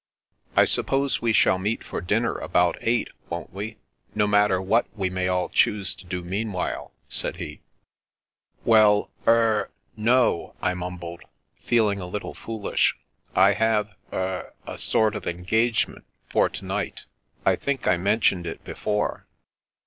^" I suppose we shall meet for dinner about eight, won't we, no matter what we may all choose to do meanwhile ?" said he. 3S3 i 354 The Princess Passes "Well — er — ^no," I mumbled, feeling a little foolish. " I have— er — a sort of engagement for to night. I think I mentioned it before."